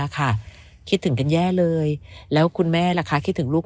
คิดถึงกันแย่เลยแล้วคุณแม่ล่ะคะคิดถึงลูก